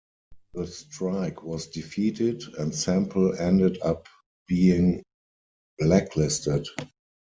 The strike was defeated and Semple ended up being blacklisted.